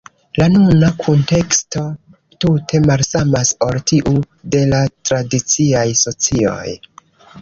La nuna kunteksto tute malsamas ol tiu de la tradiciaj socioj.